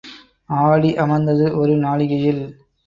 ஆடி அமர்ந்தது ஒரு நாழிகையில்.